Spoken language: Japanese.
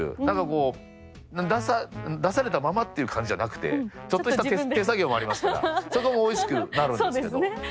何かこう出されたままっていう感じじゃなくてちょっとした手作業もありますからそこもおいしくなるんですけど。